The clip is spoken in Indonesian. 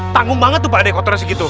tanggung banget tuh pak deh kotoran segitu